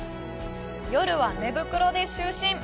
夜は寝袋で就寝。